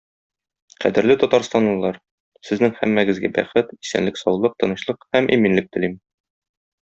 Кадерле татарстанлылар, сезнең һәммәгезгә бәхет, исәнлек-саулык, тынычлык һәм иминлек телим.